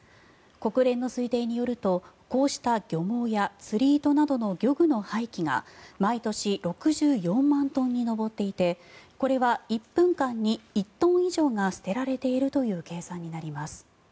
国連の推定によるとこうした漁網や釣り糸などの漁具の廃棄が毎年６４万トンに上っていてこれは１分間に１トン以上が捨てられているという計算になります。